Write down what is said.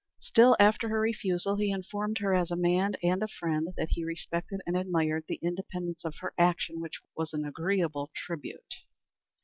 Still, after her refusal, he informed her as a man and a friend that he respected and admired the independence of her action, which was an agreeable tribute.